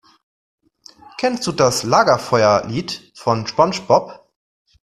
Kennst du das Lagerfeuerlied von SpongeBob?